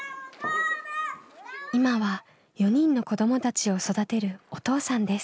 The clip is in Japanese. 今は４人の子どもたちを育てるお父さんです。